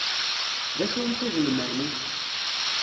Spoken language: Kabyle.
D acu i tuḍnem ɛni?